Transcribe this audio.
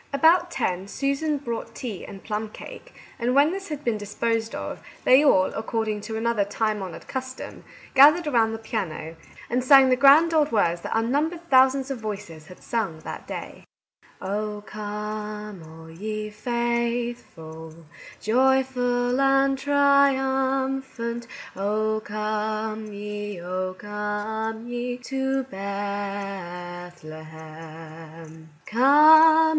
About ten, Susan brought tea and plum cake, and when this had been disposed of, they all, according to another time honoured custom, gathered around the piano, and sang the grand old words that unnumbered thou sands of voices had sung that day :" Oh, come, all ye faithful, Joyful and triumphant ; Oh, come ye, oh, come ye To Bethlehem !